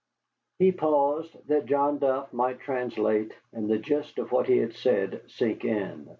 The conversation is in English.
He paused that John Duff might translate and the gist of what he had said sink in.